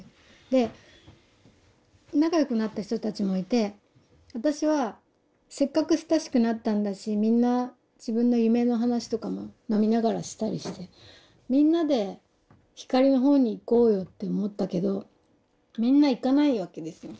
で仲良くなった人たちもいて私はせっかく親しくなったんだしみんな自分の夢の話とかも飲みながらしたりしてみんなで光の方に行こうよって思ったけどみんな行かないわけですよ。